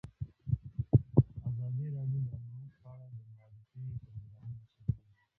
ازادي راډیو د امنیت په اړه د معارفې پروګرامونه چلولي.